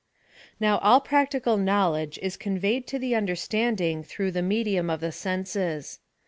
Now all practical knowledge is conveyed to the understanding through the medium of the senses.